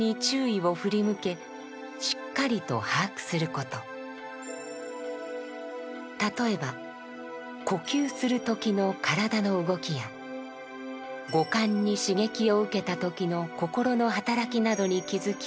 「念処」とは例えば呼吸する時の身体の動きや五感に刺激を受けた時の心の働きなどに気づき観察します。